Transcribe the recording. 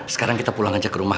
sekarang kita pulang aja ke rumah